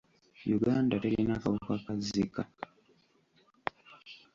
Uganda terina kawuka ka Zika.